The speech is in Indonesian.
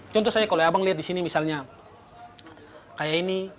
contoh saya kalau abang lihat di sini misalnya kayak ini